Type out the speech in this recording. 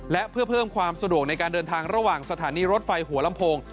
และเพื่อเพิ่มความสะดวกในการเดินทางระหว่างสถานีรถไฟหัวลำโพง